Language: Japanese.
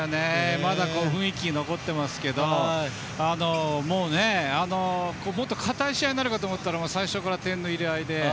まだ雰囲気残ってますけどもっと堅い試合になるかなと思ったら最初から点の入れ合いで。